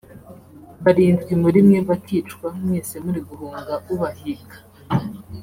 barindwi muri mwe bakicwa mwese muri guhunga ubahiga